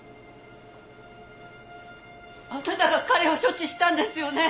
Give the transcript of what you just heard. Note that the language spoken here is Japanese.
あなたが彼を処置したんですよね？